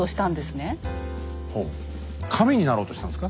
神になろうとしたんですか？